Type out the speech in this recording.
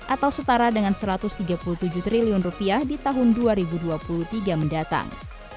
atau setara dengan satu ratus tiga puluh tujuh triliun rupiah di tahun dua ribu dua puluh tiga mendatang